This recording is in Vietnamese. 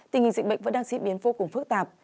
tình hình dịch bệnh vẫn đang diễn biến vô cùng phức tạp